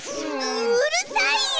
うるさいよ！